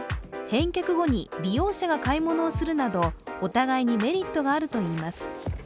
返却後に利用者が買い物をするなどお互いにメリットがあるといいます。